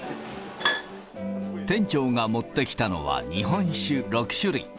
店長が持ってきたのは、日本酒６種類。